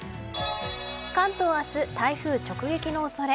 関東は明日、台風直撃の恐れ。